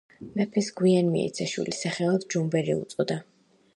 მეფეს გვიან მიეცა შვილი, სახელად ჯუმბერი უწოდა.